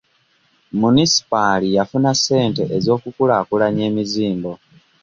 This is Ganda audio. Munisipaali yafuna ssente ez'okukulaakulanya emizimbo.